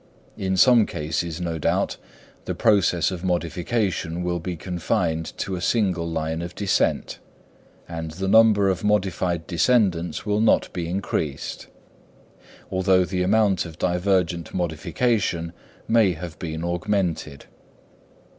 In some cases no doubt the process of modification will be confined to a single line of descent, and the number of modified descendants will not be increased; although the amount of divergent modification may have been augmented.